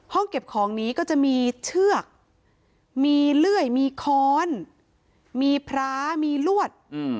เก็บของนี้ก็จะมีเชือกมีเลื่อยมีค้อนมีพระมีลวด